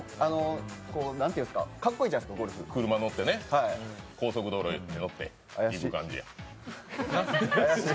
かっこいいじゃないですか、ゴルフ車乗ってね、高速道路乗って行く感じや。